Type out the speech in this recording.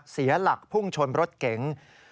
เสียหลักพุ่งชนรถเก๋ง